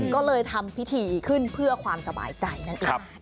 ก็เลยทำพิธีขึ้นเพื่อความสบายใจนั่นเอง